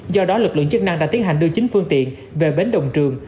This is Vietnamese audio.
do đó lực lượng chức năng đã tiến hành đưa chính phương tiện về bến đồng trường